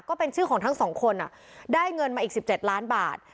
ก็เป็นชื่อของทั้งสองคนได้เงินมาอีก๑๗ล้านบาท